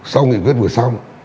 sau nghị quyết vừa xong